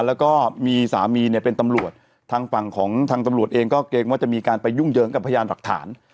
แล้วก็มีสามีเนี่ยเป็นตำรวจทางฝั่งของทางตำรวจเองก็เกรงว่าจะมีการไปยุ่งเยิงกับพยานหลักฐาน